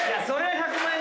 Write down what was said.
１００万円。